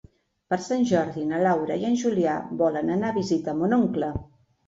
Per Sant Jordi na Laura i en Julià volen anar a visitar mon oncle.